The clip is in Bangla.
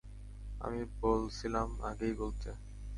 আমি বলসিলাম, আগেই বলতে।